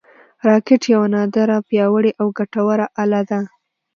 راکټ یوه نادره، پیاوړې او ګټوره اله ده